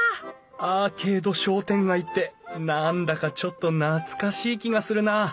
アーケード商店街って何だかちょっと懐かしい気がするな。